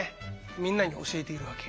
みんなに教えているわけ。